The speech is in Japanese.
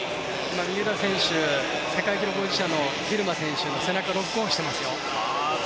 三浦選手、世界記録保持者のギルマ選手の背中をロックオンしていますよ。